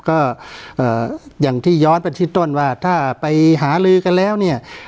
ก็อย่างที่ย้อนไปที่ต้นว่าถ้าไปหาลือกันแล้วเนี่ย